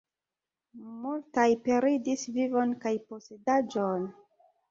Multaj perdis vivon kaj posedaĵon.